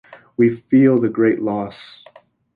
We feel the great loss.